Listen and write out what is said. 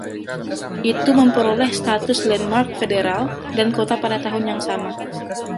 Itu memperoleh status landmark federal dan kota pada tahun yang sama.